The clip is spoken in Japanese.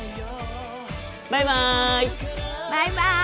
バイバイ！